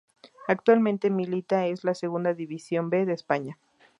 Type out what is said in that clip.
Actualmente milita en la Segunda División B de España.